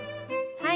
はい。